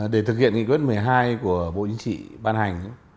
để thực hiện nghị quyết một mươi hai của bộ chính trị ban hành